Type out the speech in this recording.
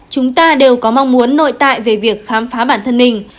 chúng ta đều có mong muốn nội tại về việc khám phá bản thân mình